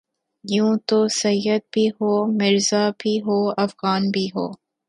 یوں تو سید بھی ہو مرزابھی ہوافغان بھی ہو